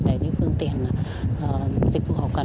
để những phương tiện dịch vụ hậu cần